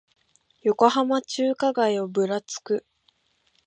横浜中華街をぶらつく